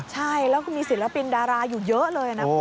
ใช่แล้วก็มีศิลปินดาราอยู่เยอะเลยนะคุณ